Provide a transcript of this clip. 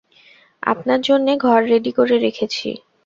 আপনার জন্যে ঘর রেডি করে রেখেছি।